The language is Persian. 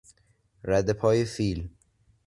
ردپای فیل